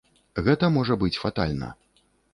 Гэта можа быць фатальна.